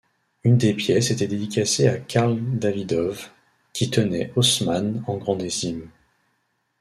Une des pièces était dédicacée à Karl Davidov, qui tenait Hausmann en grande estime.